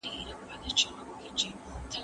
تېر وخت هېر کړئ.